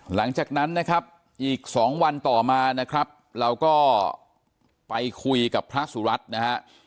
หลังจากนั้นนะครับอีก๒วันต่อมานะครับเราก็ไปคุยกับพระสุรัตน์นะฮะ